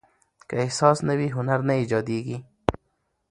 که احساس نه وي، هنر نه ایجاديږي.